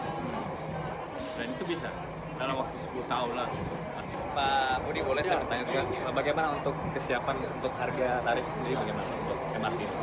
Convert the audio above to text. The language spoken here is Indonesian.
pak budi boleh saya bertanya dulu bagaimana untuk kesiapan untuk harga tarif sendiri